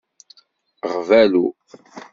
Ɣbalu